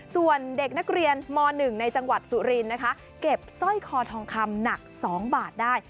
ส่วนเด็กนักเรียนม๑ในจังหวัดสุรินทร์นะคะเก็บสร้อยคอทองคำหนัก๒บาทได้